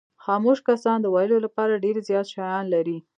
خاموش کسان د ویلو لپاره ډېر زیات شیان لري.